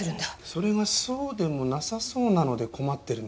それがそうでもなさそうなので困ってるんですよ。